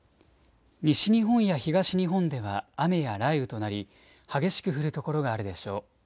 西日本や東日本では雨や雷雨となり激しく降る所があるでしょう。